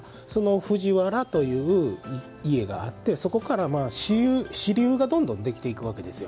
藤原という家があってそこから、支流がどんどんできていくわけですよ。